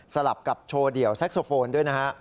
ลับกับโชว์เดี่ยวแซ็กโซโฟนด้วยนะฮะ